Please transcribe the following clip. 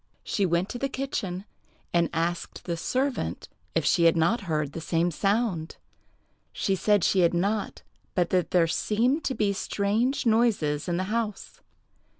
She went to the kitchen, and asked the servant if she had not heard the same sound. She said she had not, but that there seemed to be strange noises in the house.